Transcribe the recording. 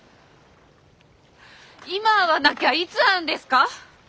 今会わなきゃいつ会うんですか？